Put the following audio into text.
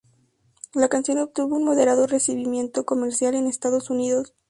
La Canción obtuvo un moderado recibimiento Comercial en Estados Unidos.